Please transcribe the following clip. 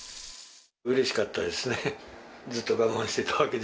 うれしかったですね。